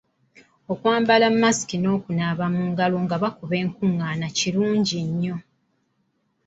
Okwambala masiki n'okunaaba mu ngalo nga bakuba enkung'aana kirungi nyo.